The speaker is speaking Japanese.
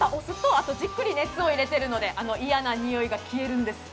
あとじっくり熱を入れているので嫌な臭いが消えるんです。